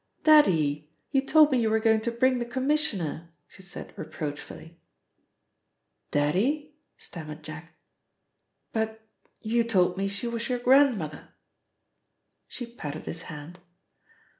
"Daddy, you told me you were going to bring the Commissioner," she said reproachfully. "Daddy?" stammered Jack. "But you told me she was your grandmother." She patted his hand.